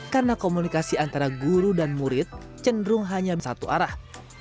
karena komunikasi antara guru dan murid cenderung hanya satu arah